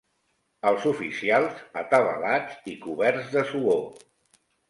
Els oficials, atabalats i coberts de suor